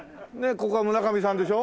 ここは村上さんでしょ？